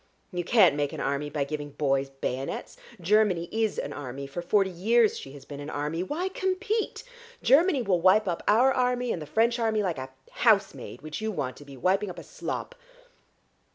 You can't make an army by giving boys bayonets. Germany is an army, for forty years she has been an army. Why compete? Germany will wipe up our army and the French army like a housemaid, which you want to be, wiping up a slop.